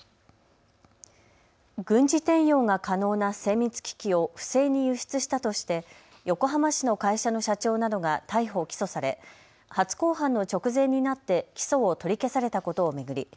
軍事転用が可能な精密機器を不正に輸出したとして横浜市の会社の社長などが逮捕・起訴され初公判の直前になって起訴を取り消されたことを巡り